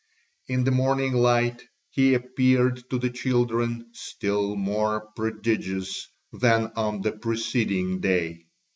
In the morning light he appeared to the children still more prodigious than on the preceding day.